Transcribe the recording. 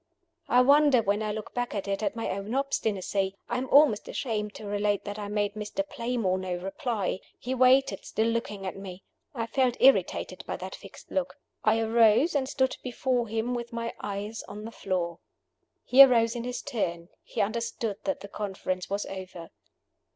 I wonder, when I look back at it, at my own obstinacy. I am almost ashamed to relate that I made Mr. Playmore no reply. He waited, still looking at me. I felt irritated by that fixed look. I arose, and stood before him with my eyes on the floor. He arose in his turn. He understood that the conference was over.